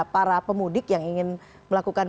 para pemudik yang ingin melakukan